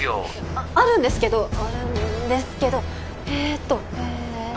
ああるんですけどあるんですけどえっとえっと。